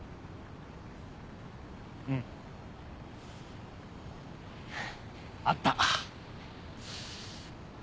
うん。あった。